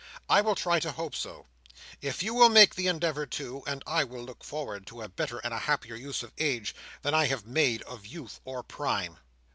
I will try to hope so, if you will make the endeavour too; and I will look forward to a better and a happier use of age than I have made of youth or prime."